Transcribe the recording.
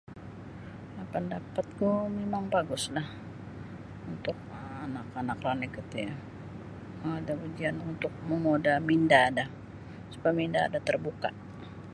Pandapatku mimang baguslah untuk anak-anak ranik roti ada ujian untuk minda do supaya minda do tarbuka'.